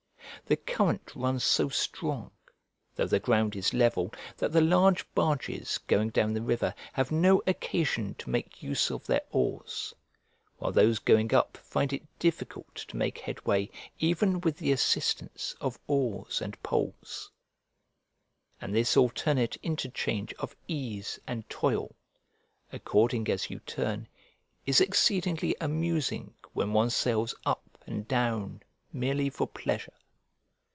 The current runs so strong, though the ground is level, that the large barges going down the river have no occasion to make use of their oars; while those going up find it difficult to make headway even with the assistance of oars and poles: and this alternate interchange of ease and toil, according as you turn, is exceedingly amusing when one sails up and down merely for pleasure.